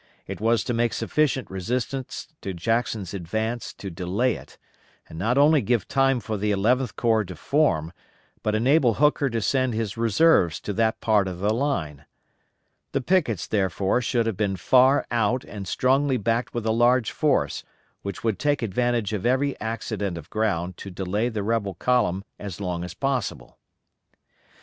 It was to make sufficient resistance to Jackson's advance to delay it, and not only give time for the Eleventh Corps to form, but enable Hooker to send his reserves to that part of the line. The pickets, therefore, should have been far out and strongly backed with a large force which would take advantage of every accident of ground to delay the rebel column as long as possible.